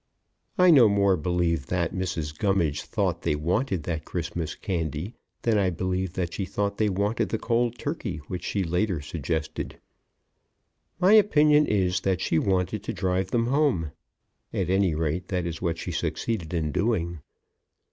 I no more believe that Mrs. Gummidge thought they wanted that Christmas candy than I believe that she thought they wanted the cold turkey which she later suggested. My opinion is that she wanted to drive them home. At any rate, that is what she succeeded in doing.